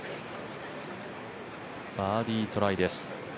バーディートライです。